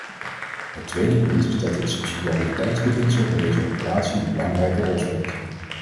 Het tweede punt is dat het subsidiariteitsbeginsel bij deze operatie een belangrijke rol speelt.